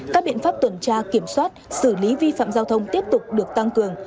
các biện pháp tuần tra kiểm soát xử lý vi phạm giao thông tiếp tục được tăng cường